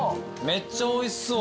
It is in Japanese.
めっちゃおいしそう。